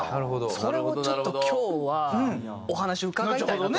それをちょっと今日はお話伺いたいなと。